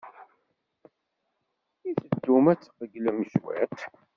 I teddum ad tqeyylem cwiṭ?